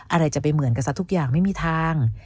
อะไรจะไปเหมือนกันซะทุกอย่างไม่มีทาง